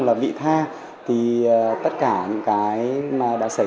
đây là một điều kiện rất là tốt